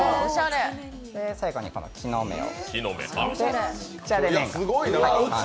最後に木の芽を。